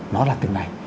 nó là từng này